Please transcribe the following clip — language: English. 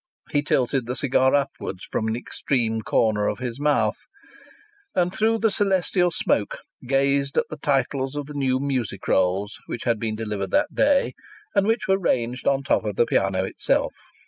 He tilted the cigar upwards from an extreme corner of his mouth, and through the celestial smoke gazed at the titles of the new music rolls which had been delivered that day, and which were ranged on the top of the piano itself.